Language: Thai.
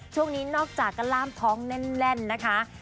ช่วงนี้นอกจากก็ล่ามท้องแน่นนะคะ